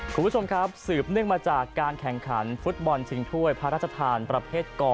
คุณผู้ชมครับสืบเนื่องมาจากการแข่งขันฟุตบอลชิงถ้วยพระราชทานประเภทก